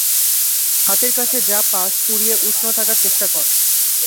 হাতের কাছে যা পাস পুড়িয়ে উষ্ণ থাকার চেষ্টা কর!